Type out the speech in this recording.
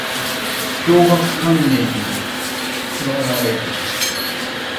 強迫観念にとらわれる